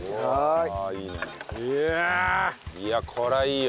いやこれはいいよ。